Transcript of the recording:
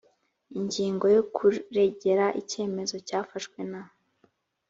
ingingo ya kuregera icyemezo cyafashwe na